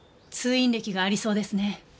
通院歴がありそうですね。